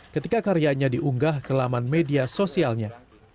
ketika karyanya diunggah ke laman media sosialnya